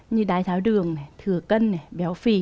như đái tháo đường thừa cân béo phì